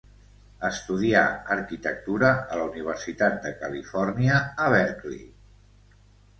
Estudià arquitectura a la Universitat de Califòrnia a Berkeley.